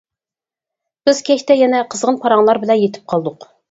بىز كەچتە يەنە قىزغىن پاراڭلار بىلەن يېتىپ قالدۇق.